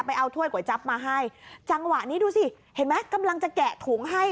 เอาถ้วยก๋วยจับมาให้จังหวะนี้ดูสิเห็นไหมกำลังจะแกะถุงให้